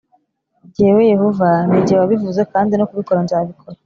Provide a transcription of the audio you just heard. Jyewe Yehova ni jye wabivuze kandi no kubikora nzabikora